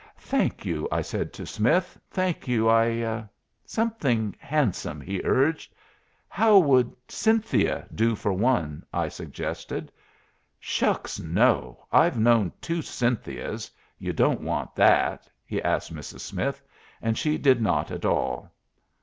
"Thank you," I said to Smith. "Thank you. I " "Something handsome," he urged. "How would Cynthia do for one?" I suggested. "Shucks, no! I've known two Cynthias. You don't want that?" he asked Mrs. Smith; and she did not at all.